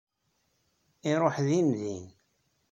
Iruḥ din din.